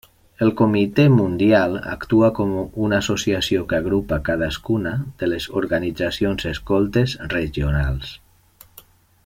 El Comitè Mundial actua com una associació que agrupa cadascuna de les organitzacions escoltes regionals.